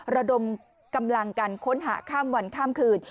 ระดมกำลังกันค้นหาข้ามวันข้ามคืน